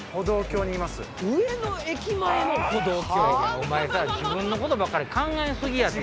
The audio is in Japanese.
お前さ自分のことばっかり考え過ぎやって。